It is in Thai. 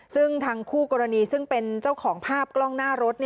ซึ่งทางคู่กรณีซึ่งเป็นเจ้าของภาพกล้องหน้ารถ